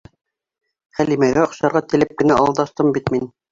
Хәлимәгә оҡшарға теләп кенә алдаштым бит мин.